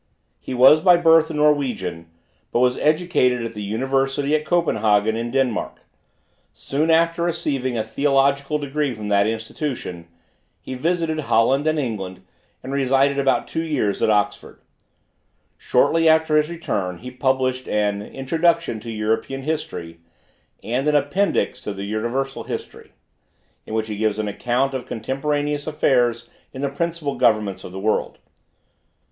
He was by birth a Norwegian, but was educated at the University at Copenhagen in Denmark. Soon after receiving a theological degree from that Institution, he visited Holland and England, and resided about two years at Oxford. Shortly after his return he published an "Introduction to European History," and an "Appendix to the Universal History," in which he gives an account of contemporaneous affairs in the principal governments of the world.